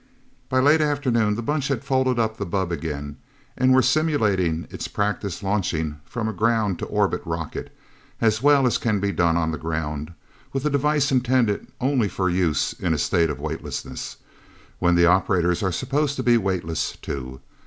By late afternoon the Bunch had folded up the bubb again, and were simulating its practice launching from a ground to orbit rocket as well as can be done on the ground with a device intended only for use in a state of weightlessness, when the operators are supposed to be weightless, too.